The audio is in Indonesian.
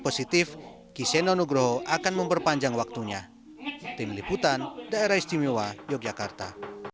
positif kiseno nugro akan memperpanjang waktunya tim liputan daerah istimewa yogyakarta